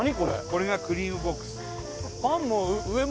これがクリームボックス。